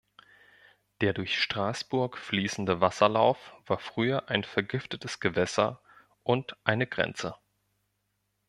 Der durch Straßburg fließende Wasserlauf war früher ein vergiftetes Gewässer und eine Grenze.